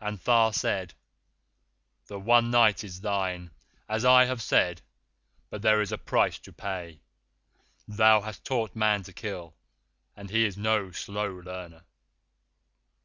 And Tha said: 'The one Night is thine, as I have said, but there is a price to pay. Thou hast taught Man to kill, and he is no slow learner.